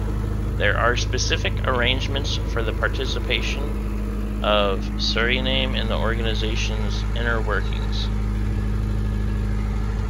There are specific arrangements for the participation of Suriname in the organisation's inner workings.